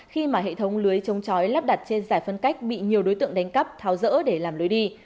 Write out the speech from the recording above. khi mà hệ thống lưới chống chói lắp đặt trên giải phân cách bị nhiều đối tượng đánh cắp tháo dỡ để làm lưới đi